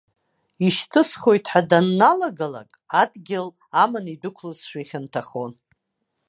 Ишьҭысхуеит ҳәа данналагалак, адгьыл аман идәықәлозшәа ихьанҭахон.